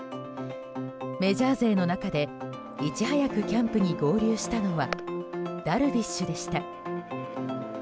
メジャー勢の中でいち早くキャンプに合流したのはダルビッシュでした。